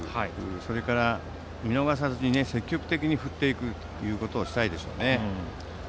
それから見逃さず積極的に振っていくということをしたいでしょうね。